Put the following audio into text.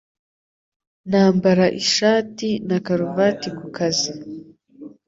Nambara ishati na karuvati ku kazi